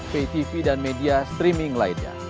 ptv dan media streaming lainnya